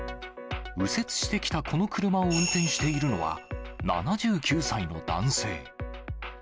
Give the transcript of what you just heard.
右折してきたこの車を運転しているのは、７９歳の男性。